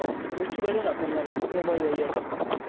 切られるのはそんなにこの場合は嫌じゃなくて。